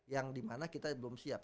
yang dimana kita belum siap